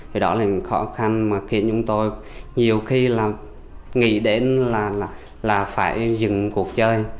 thì đó là những khó khăn mà khiến chúng tôi nhiều khi là nghĩ đến là phải dừng cuộc chơi